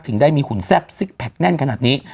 ถึงได้มีหุ่นแซ่บซิกแพคแน่นขนาดนี้